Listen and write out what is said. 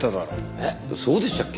えっそうでしたっけ？